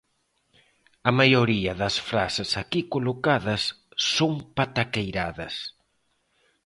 A maioría das frases aquí colocadas son pataqueiradas